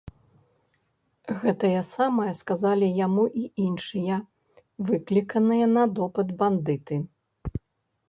Гэтае самае сказалі яму і іншыя, выкліканыя на допыт, бандыты.